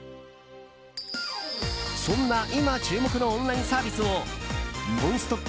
そんな今注目のオンラインサービスを「ノンストップ！」